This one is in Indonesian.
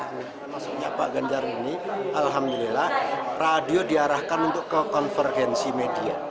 masuknya pak genjar ini alhamdulillah radio diarahkan untuk kekonferensi media